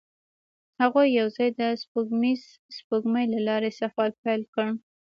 هغوی یوځای د سپوږمیز سپوږمۍ له لارې سفر پیل کړ.